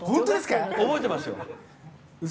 覚えてますよ。